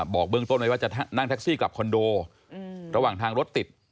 บอกเบื้องต้นไว้ว่าจะนั่งแท็กซี่กลับคอนโดระหว่างทางรถติด